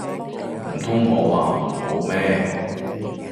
唔通我話唔好咩